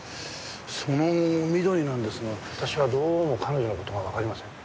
その美登里なんですが私はどうも彼女の事がわかりません。